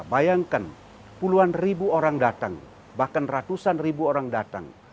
bayangkan puluhan ribu orang datang bahkan ratusan ribu orang datang